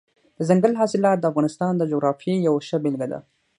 دځنګل حاصلات د افغانستان د جغرافیې یوه ښه بېلګه ده.